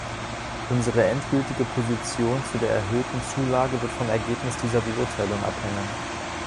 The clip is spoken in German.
Unsere endgültige Position zu der erhöhten Zulage wird vom Ergebnis dieser Beurteilung abhängen.